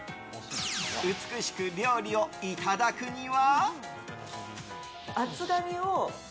美しく料理をいただくには。